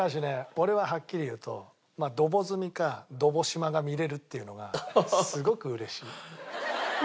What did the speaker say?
俺ははっきり言うとドボ純かドボ嶋が見られるっていうのがすごく嬉しい。